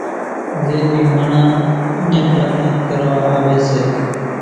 زين ٻي ماڻۿان اُوڃان پرارٿنا ڪروا آوي سي